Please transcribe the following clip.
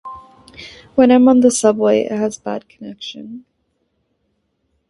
When I'm on the subway it has a bad connection.